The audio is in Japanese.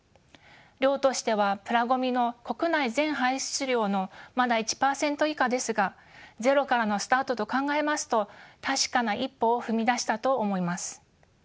量としてはプラごみの国内全排出量のまだ１％以下ですがゼロからのスタートと考えますと確かな一歩を踏み出したと思います。